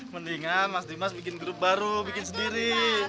mendingan mas dimas bikin grup baru bikin sendiri